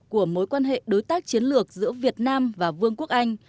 của mối quan hệ đối tác chiến lược giữa việt nam và vương quốc anh